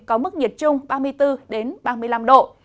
có mức nhiệt trung ba mươi bốn ba mươi năm độ